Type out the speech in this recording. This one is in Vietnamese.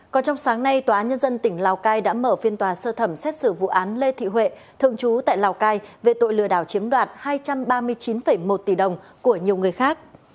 còn trong sáng nay tòa nhân dân tỉnh lào cai đã mở phiên tòa sơ thẩm xét xử vụ án lê thị huệ thường trú tại lào cai về tội lừa đảo chiếm đoạt hai trăm ba mươi chín một tỷ đồng của nhiều người khác